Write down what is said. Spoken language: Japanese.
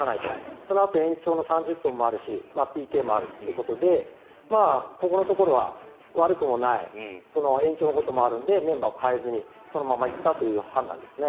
そのあと延長の３０分もあるしＰＫもあるということでここのところは悪くもない延長のこともあるのでメンバーを代えずにそのまま行ったという判断ですね。